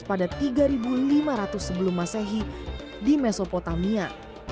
pada tiga lima ratus sebelum masehi di mesopotamia